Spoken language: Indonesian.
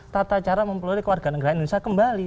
tata cara memperoleh warga negara indonesia kembali